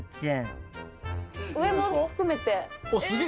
上も含めて。